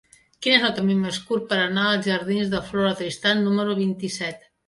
Quin és el camí més curt per anar als jardins de Flora Tristán número vint-i-set?